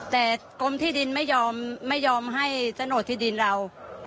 แต่กรมที่ดินไม่ยอมให้จนโดที่ดินเรา